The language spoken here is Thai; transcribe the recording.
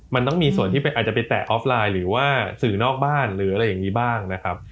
มันต้องมีส่วนที่อาจจะไปแตะออฟไลน์หรือว่าสื่อนอกบ้านหรืออะไรอย่างนี้บ้างนะครับ